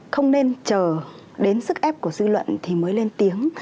không nên chờ đến sức ép của dư luận thì mới lên tiếng